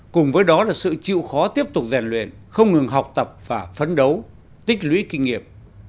cùng với đó là sự chịu khó tiếp tục rèn luyện không ngừng học tập và phấn đấu tích lũy kinh nghiệm